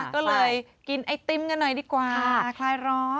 ก็เลยกินไอติมกันหน่อยดีกว่าคลายร้อน